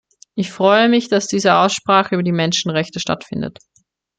Ich freue mich, dass diese Aussprache über die Menschenrechte stattfindet.